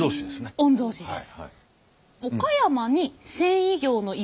御曹司です。